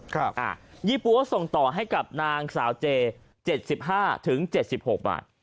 ยี่ปั๊วส่งต่อให้กับนางสาวเจ๗๕๗๖บาท